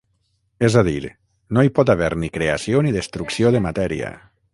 És a dir, no hi pot haver ni creació ni destrucció de matèria.